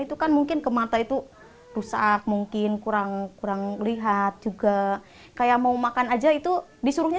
itu kan mungkin ke mata itu rusak mungkin kurang kurang lihat juga kayak mau makan aja itu disuruhnya